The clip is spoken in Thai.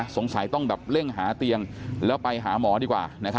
สงสัยต้องแบบเร่งหาเตียงแล้วไปหาหมอดีกว่า